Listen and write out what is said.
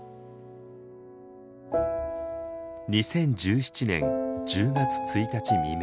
２０１７年１０月１日未明。